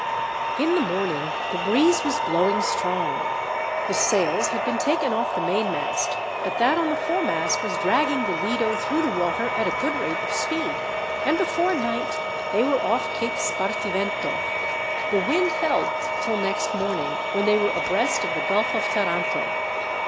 In the morning the breeze was blowing strong. The sails had been taken off the mainmast, but that on the foremast was dragging the Lido through the water at a good rate of speed, and before night they were off Cape Spartivento. The wind held till next morning, when they were abreast of the Gulf of Taranto.